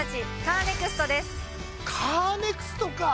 カーネクストか！